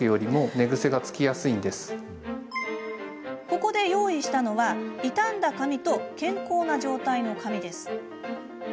ここで用意したのは傷んだ髪と健康な状態の髪です。